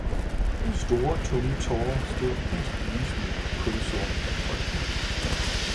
store, tunge tårer stod i de lysende, kulsorte øjne.